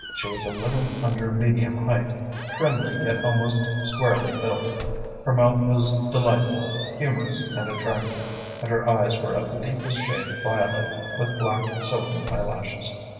She was a little under medium height, trimly yet almost squarely built. Her mouth was delightful, humourous and attractive, and her eyes were of the deepest shade of violet, with black, silken eyelashes.